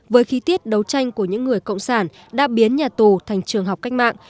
với khí tiết đấu tranh của những người cộng sản đã biến nhà tù thành trường học cách mạng